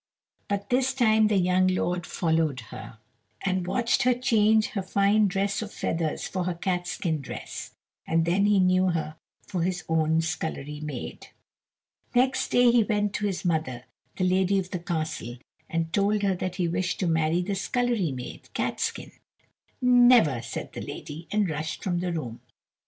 But this time the young lord followed her, and watched her change her fine dress of feathers for her catskin dress, and then he knew her for his own scullery maid. Next day he went to his mother, the lady of the castle, and told her that he wished to marry the scullery maid, Catskin. "Never," said the lady, and rushed from the room.